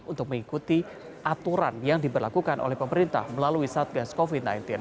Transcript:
untuk mengikuti aturan yang diberlakukan oleh pemerintah melalui satgas covid sembilan belas